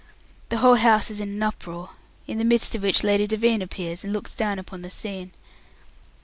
The whole house is in an uproar, in the midst of which Lady Devine appears, and looks down upon the scene.